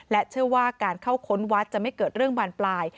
เชื่อว่าการเข้าค้นวัดจะไม่เกิดเรื่องบานปลาย